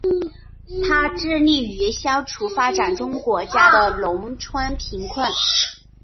它致力于消除发展中国家的农村贫困。